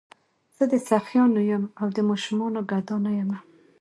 زه د سخیانو یم او د شومانو ګدا نه یمه.